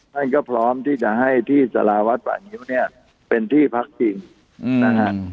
ท่านก็พร้อมที่จะให้ที่สาราวัดป่างิ้วเนี่ยเป็นที่พักจริงนะฮะ